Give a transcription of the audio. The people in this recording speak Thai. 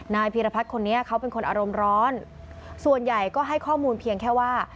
พีรพัฒน์คนนี้เขาเป็นคนอารมณ์ร้อนส่วนใหญ่ก็ให้ข้อมูลเพียงแค่ว่า